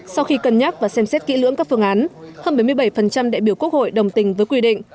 sau khi cân nhắc và xem xét kỹ lưỡng các phương án hơn bảy mươi bảy đại biểu quốc hội đồng tình với quy định